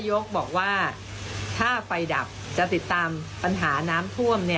บอกว่าถ้าไฟดับจะติดตามปัญหาน้ำท่วม